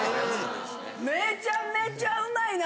めちゃめちゃうまいな！